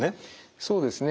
そうですね。